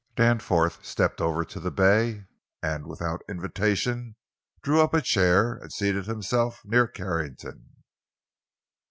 Danforth stepped over to the bay, and without invitation drew up a chair and seated himself near Carrington.